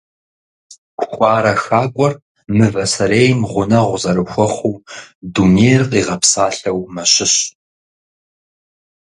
Хуарэ хакӀуэр мывэ сэрейм гъунэгъу зэрыхуэхъуу дунейр къигъэпсалъэу мэщыщ.